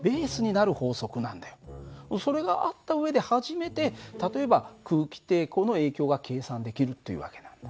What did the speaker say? それがあった上で初めて例えば空気抵抗の影響が計算できるという訳なんだ。